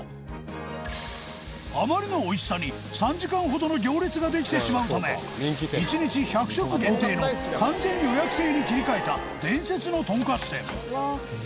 あまりのおいしさに３時間ほどの行列ができてしまうため１日１００食限定の完全予約制に切り替えた伝説のとんかつ店